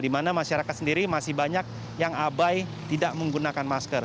di mana masyarakat sendiri masih banyak yang abai tidak menggunakan masker